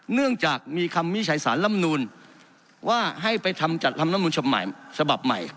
เนื่องจากมีคำมิใชสารลำนูลว่าให้ไปทำจัดทำรับนูลฉบับใหม่